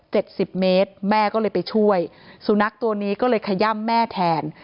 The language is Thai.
สิบเมตรแม่ก็เลยไปช่วยสุนัขตัวนี้ก็เลยขย่ำแม่แทน